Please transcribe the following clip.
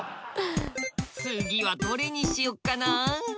次はどれにしようかな。